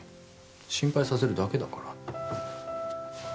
心配させるだけだから